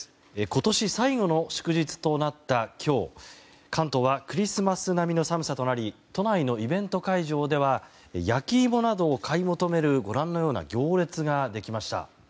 今年最後の祝日となった今日関東はクリスマス並みの寒さとなり都内のイベント会場では焼き芋などを買い求めるご覧のような行列ができました。